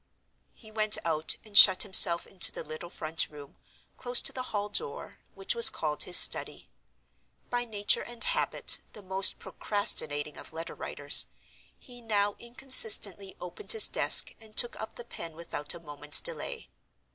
He went out, and shut himself into the little front room, close to the hall door, which was called his study. By nature and habit the most procrastinating of letter writers, he now inconsistently opened his desk and took up the pen without a moment's delay.